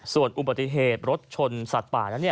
ส่วนอุบัติเหตุรถชนสัตว์ป่านั้น